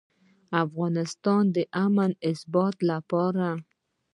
د افغانستان امن او ثبات لپاره.